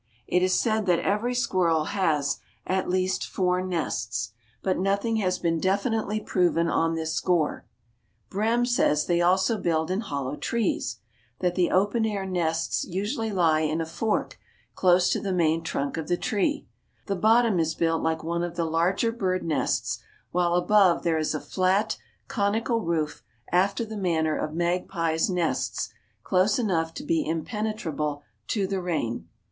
It is said that every squirrel has at least four nests; but nothing has been definitely proven on this score. Brehm says they also build in hollow trees; that the open air nests usually lie in a fork close to the main trunk of the tree; the bottom is built like one of the larger bird nests while above there is a flat, conical roof after the manner of magpies' nests, close enough to be impenetrable to the rain.